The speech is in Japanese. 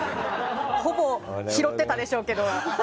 ほぼ拾ってたでしょうけど。